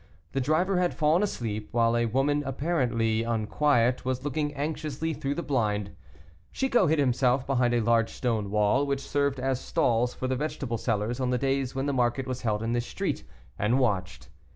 The driver had fallen asleep, while a woman, apparently unquiet, was looking anxiously through the blind. Chicot hid himself behind a large stone wall, which served as stalls for the vegetable sellers on the days when the market was held in this street, and watched.